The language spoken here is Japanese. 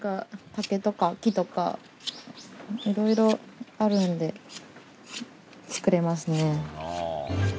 いろいろあるので作れますね。